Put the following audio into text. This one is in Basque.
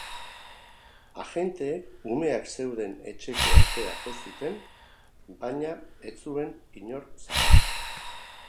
Agenteek umeak zeuden etxeko atea jo zuten baina ez zuen inor zabaldu.